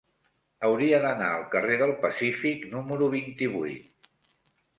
Hauria d'anar al carrer del Pacífic número vint-i-vuit.